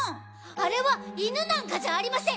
あれは犬なんかじゃありません！